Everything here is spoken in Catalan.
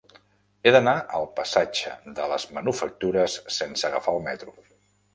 He d'anar al passatge de les Manufactures sense agafar el metro.